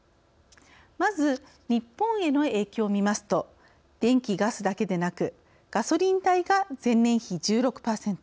まず、日本への影響を見ますと電気・ガスだけでなくガソリン代が前年比１６％